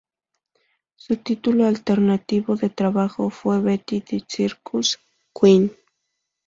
Su título alternativo de trabajo fue Betty The Circus Queen.